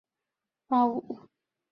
现为上海市人民政府外事办公室。